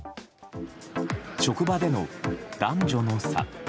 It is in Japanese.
職場での男女の差